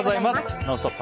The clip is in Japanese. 「ノンストップ！」